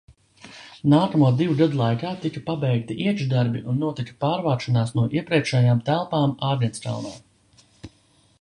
Nākamo divu gadu laikā tika pabeigti iekšdarbi un notika pārvākšanās no iepriekšējām telpām Āgenskalnā.